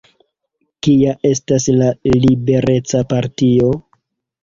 Kia estas la Libereca Partio?